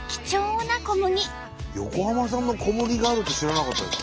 横浜産の小麦があるって知らなかった。